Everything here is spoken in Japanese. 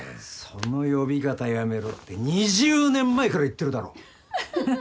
その呼び方やめろって２０年前から言ってるだろ。